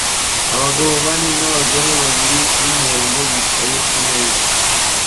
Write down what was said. Abagabo bane n'abagore babiri b'umuhondo bicaye kumeza